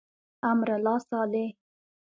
امرالله صالح.